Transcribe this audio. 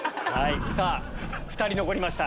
さぁ２人残りました。